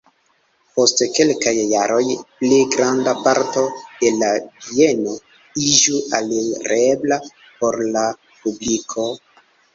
Post kelkaj jaroj pli granda parto de la bieno iĝu alirebla por la publiko.